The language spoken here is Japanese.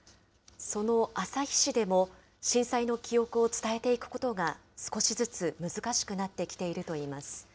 その旭市でも、震災の記憶を伝えていくことが少しずつ難しくなってきているといいます。